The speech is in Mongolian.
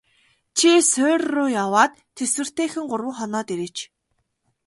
Чи суурь руу яваад тэсвэртэйхэн гурав хоноод ирээч.